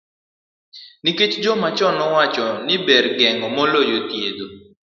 Nikech joma chon nowacho ni ber geng'o moloyo thiedho.